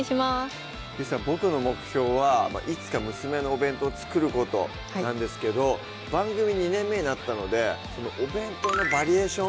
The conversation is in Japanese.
ゆりさんボクの目標はいつか娘のお弁当を作ることなんですけど番組２年目になったのでお弁当のバリエーション